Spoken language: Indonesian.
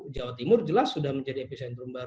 jawa timur jelas sudah menjadi epicentrum baru